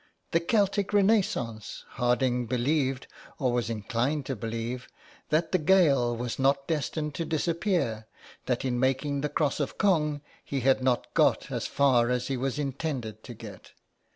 The "Celtic renaissance!" Harding believed, or was inclined to believe, that the Gael was not destined to disappear, that in making the Cross of Cong he had not got as far as he was intended to get.